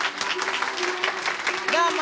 どうも。